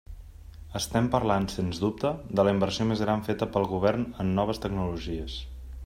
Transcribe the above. Estem parlant, sens dubte, de la inversió més gran feta pel Govern en noves tecnologies.